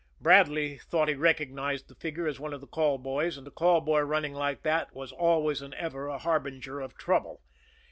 Bradley thought he recognized the figure as one of the call boys, and a call boy running like that was always and ever a harbinger of trouble.